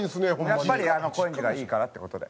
やっぱり高円寺がいいからって事で。